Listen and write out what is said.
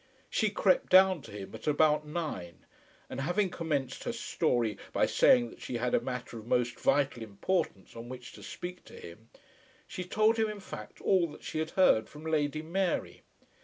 She crept down to him at about nine, and having commenced her story by saying that she had a matter of most vital importance on which to speak to him, she told him in fact all that she had heard from Lady Mary.